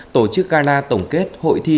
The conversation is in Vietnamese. tổ chức gala tổng kết hội thi